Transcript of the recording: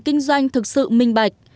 kinh doanh thực sự minh bạch